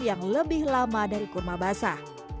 yang lebih lama dari kurma basah